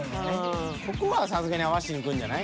ここはさすがに合わしにいくんじゃない？